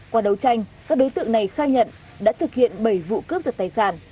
qua đấu tranh các đối tượng này khai nhận đã thực hiện bảy vụ cướp giật tài sản